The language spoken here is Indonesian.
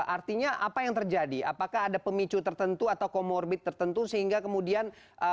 artinya apa yang terjadi apakah ada pemicu tertentu atau comorbid tertentu sehingga kemudian